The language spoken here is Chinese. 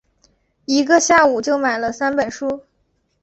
一个下午就买了三本书